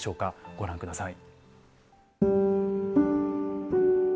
ご覧ください。